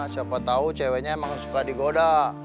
siapa tahu ceweknya emang suka digoda